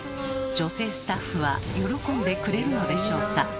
女性スタッフは喜んでくれるのでしょうか。